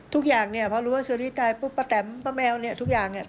ทุกอย่างเนี่ยพอรู้ว่าเชอรี่ตายปุ๊บป้าแตมป้าแมวเนี่ยทุกอย่างเนี่ย